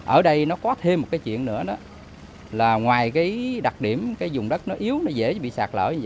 ở đây có thêm một chuyện nữa ngoài đặc điểm dùng đất yếu dễ bị sạt lở